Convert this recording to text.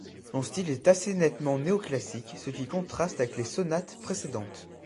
Son style est assez nettement néo-classique, ce qui contraste avec les sonates précédentes.